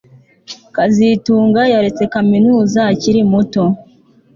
kazitunga yaretse kaminuza akiri muto